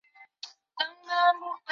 韦罗人口变化图示